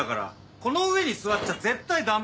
この上に座っちゃ絶対ダメ。